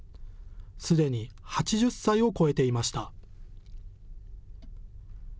すでに８０歳を超えていました。